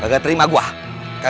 gak terima gue